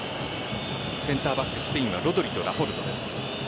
センターバックスペインはロドリとラポルトです。